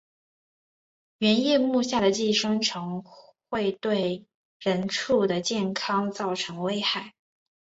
圆叶目下的寄生虫会对人畜的健康造成危害。